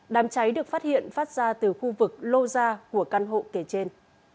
đám cháy được phát hiện phát ra từ khu vực lô gia của căn hộ kề trên